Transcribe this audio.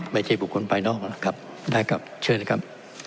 ไม่ใช่ผุมคนพายนอกครับได้กลับเชิญเลยครับ